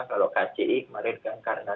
kalau kci kemarin kan karena